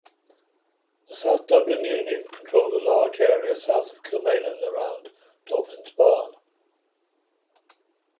The South Dublin Union controlled a large area south of Kilmainham around Dolphin's Barn.